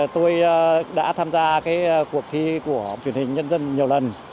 tôi đã tham gia cuộc thi của truyền hình nhân dân nhiều lần